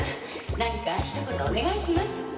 何かひと言お願いします。